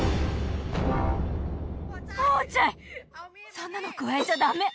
そんなのくわえちゃダメ！